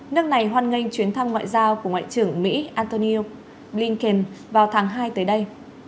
nước này hoan nghênh chuyến thăm ngoại giao của ngoại trưởng mỹ antonio blinken vào tháng hai tới đây